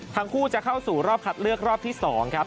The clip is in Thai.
ทั้งคู่จะเข้าสู่รอบคัดเลือกรอบที่๒ครับ